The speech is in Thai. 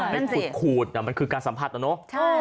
ขูดมันคือการสัมผัสนะเนอะ